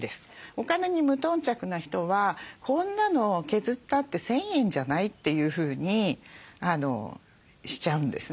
お金に無頓着な人は「こんなの削ったって１，０００円じゃない？」というふうにしちゃうんですね。